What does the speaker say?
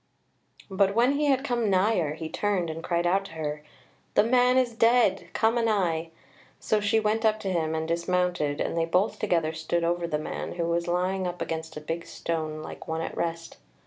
But when he had come nigher, he turned and cried out to her: "The man is dead, come anigh." So she went up to him and dismounted, and they both together stood over the man, who was lying up against a big stone like one at rest.